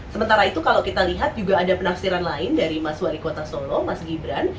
sementara itu kalau kita lihat juga ada penafsiran lain dari mas wali kota solo mas gibran